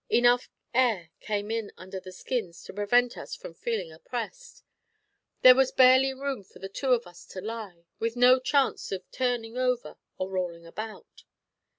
Enough air came in under the skins to prevent us from feeling oppressed. There was barely room for the two of us to lie, with no chance of turning over or rolling about.